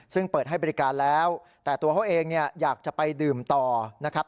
ซึ่งเปิดให้บริการแล้วแต่ตัวเขาเองเนี่ยอยากจะไปดื่มต่อนะครับ